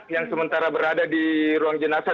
yang sementara berada di ruang jenazah